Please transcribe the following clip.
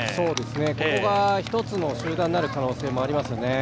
ここが一つの集団になる可能性もありますね。